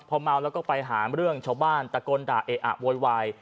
พอเมาแล้วก็ไปหาเรื่องชาวบ้านตะโกนด่าเออะโวยวาย